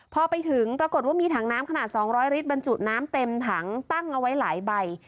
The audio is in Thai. พอไปถึงปรากฏว่ามีถังน้ำขนาด๒๐๐ลิตรบรรจุน้ำเต็มถังตั้งเอาไว้หลายใบ